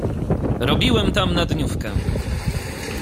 "Robiłem tam na dniówkę."